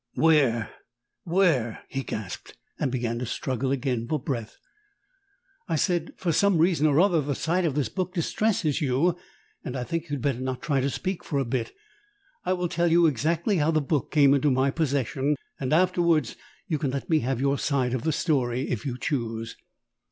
"Where where ?" he gasped, and began to struggle again for breath. I said, "For some reason or other the sight of this book distresses you, and I think you had better not try to speak for a bit. I will tell you exactly how the book came into my possession, and afterwards you can let me have your side of the story, if you choose."